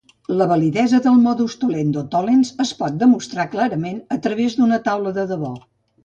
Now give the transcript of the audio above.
La validesa del "modus tollendo tollens" es pot demostra clarament a través d'una taula de debò.